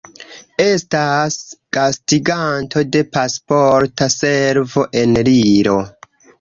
Estas gastiganto de Pasporta Servo en Lillo.